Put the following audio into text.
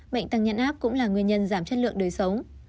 bệnh tăng nhân áp cũng là nguyên nhân giảm chất lượng đời sống